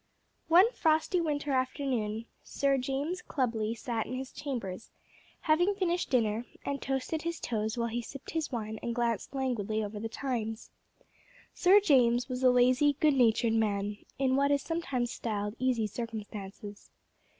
One frosty winter afternoon Sir James Clubley sat in his chambers, having finished dinner, and toasted his toes while he sipped his wine and glanced languidly over the Times. Sir James was a lazy, good natured man, in what is sometimes styled easy circumstances.